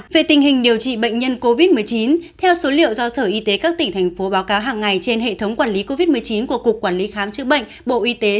về tình hình điều trị bệnh nhân covid một mươi chín theo số liệu do sở y tế các tỉnh thành phố báo cáo hàng ngày trên hệ thống quản lý covid một mươi chín của cục quản lý khám chữa bệnh bộ y tế